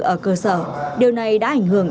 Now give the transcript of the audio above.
ở cơ sở điều này đã ảnh hưởng